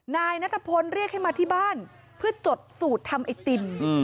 นายนัทพลเรียกให้มาที่บ้านเพื่อจดสูตรทำไอติม